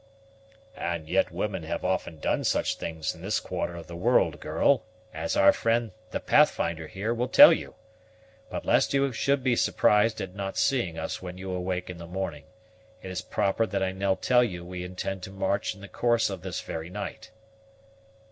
"And yet women have often done such things in this quarter of the world, girl, as our friend, the Pathfinder here, will tell you. But lest you should be surprised at not seeing us when you awake in the morning, it is proper that I now tell you we intend to march in the course of this very night."